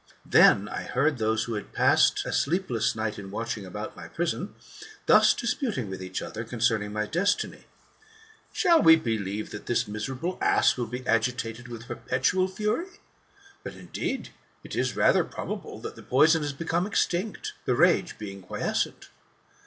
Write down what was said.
Then I heard those who had passed a sleepless night in watch ing about my prison, thus disputing with each other, concerning my destiny :*' Shall we believe that this miserable ass will be agitated with perpetual fury ? But, indeed, it is rather probable that the poison has become extinct, the rage being quiescent."